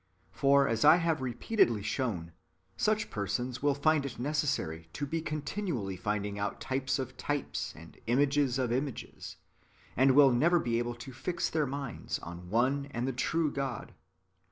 For, as I have repeatedly shown, such persons will find it necessary to be continually finding out types of types, and images of images, and will never [be able to] fix their minds on one and the true God.